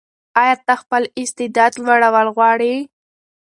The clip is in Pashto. ایا ته خپل استعداد لوړول غواړې؟